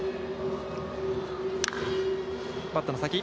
バットの先。